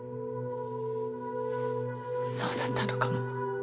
そうだったのかも。